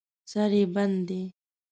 سر یې بند دی.